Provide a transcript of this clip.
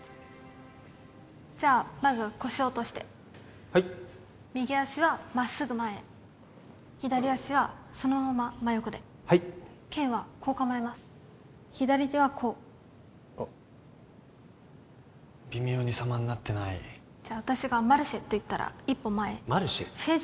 じゃまず腰を落としてはい右足はまっすぐ前左足はそのまま真横ではい剣はこう構えます左手はこうあっ微妙に様になってないじゃ私が「マルシェ」と言ったら一歩前へマルシェ？